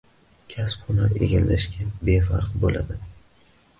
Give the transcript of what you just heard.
Kasb- hunar egallashga befarq bo‘ladi?